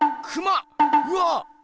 うわっ！